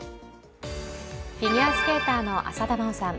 フィギュアスケーターの浅田真央さん。